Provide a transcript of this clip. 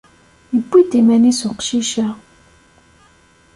Yewwi-d iman-is uqcic-a.